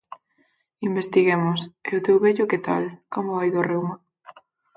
Investiguemos: –E o teu vello, ¿que tal?, ¿como vai do reuma?